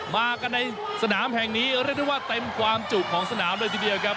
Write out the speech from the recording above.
มากันในสนามแห่งนี้เรียกได้ว่าเต็มความจุของสนามเลยทีเดียวครับ